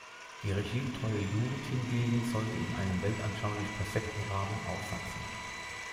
Die regimetreue Jugend hingegen sollte in einem weltanschaulich perfekten Rahmen aufwachsen.